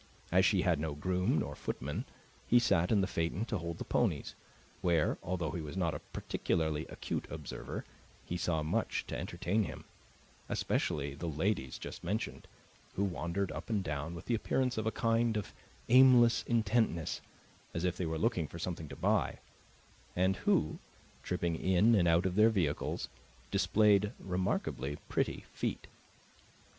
As she had no groom nor footman, he sat in the phaeton to hold the ponies, where, although he was not a particularly acute observer, he saw much to entertain him especially the ladies just mentioned, who wandered up and down with the appearance of a kind of aimless intentness, as if they were looking for something to buy, and who, tripping in and out of their vehicles, displayed remarkably pretty feet.